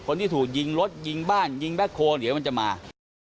คนที่ถูกยิงรถยิงบ้านยิงแบ็คโฮเดี๋ยวมันจะมา